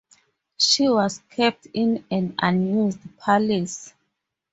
She was kept in an unused palace.